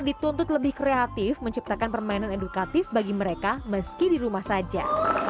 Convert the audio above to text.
dituntut lebih kreatif menciptakan permainan edukatif bagi mereka meski di rumah saja